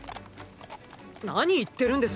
何言ってるんです。